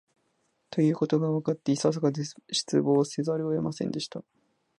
ということがわかって、いささか失望せざるを得ませんでした